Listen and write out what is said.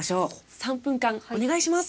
３分間お願いします。